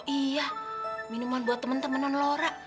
oh iya minuman buat temen temenan lora